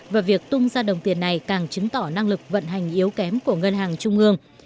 và việc tung ra đồng tiền này càng chứng tỏ năng lực vận hành yếu kém của ngân hàng trung ương